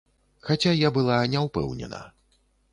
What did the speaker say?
Хаця я была не ўпэўнена.